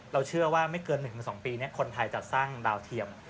เชื่อว่าไม่เกิน๑๒ปีนี้คนไทยจะสร้างดาวเทียม